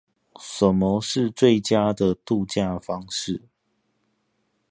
什麼是最佳的渡假方式